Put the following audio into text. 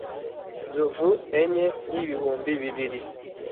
inzovu enye n ibihumbi bibiri